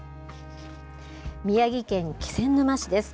宮城県気仙沼市です。